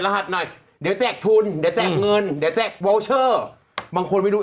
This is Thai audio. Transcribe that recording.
หัสหน่อยเดี๋ยวแจกทุนเดี๋ยวแจกเงินเดี๋ยวแจกวอลเชอร์บางคนไม่รู้